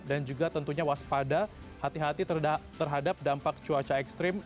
dan juga tentunya waspada hati hati terhadap dampak cuaca ekstrim